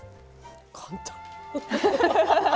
簡単！